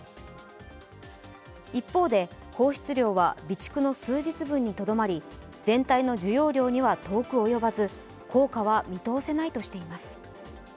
一方で、放出量は備蓄の数日分にとどまり全体の需要量には遠く及ばず、効果は見通せないとしています。